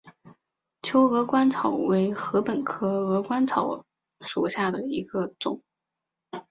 秋鹅观草为禾本科鹅观草属下的一个种。